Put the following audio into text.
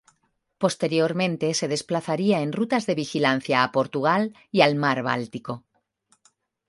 Posteriormente se desplazaría en rutas de vigilancia a Portugal y al Mar Báltico.